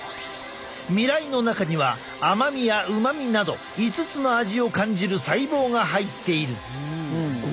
味蕾の中には甘みや旨味など５つの味を感じる細胞が入っている。